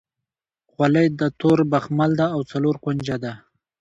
خولۍ د تور بخمل ده او څلور کونجه ده.